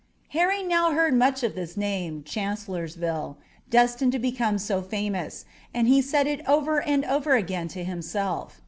Harry now heard much of this name Chancellorsville, destined to become so famous, and he said it over and over again to himself.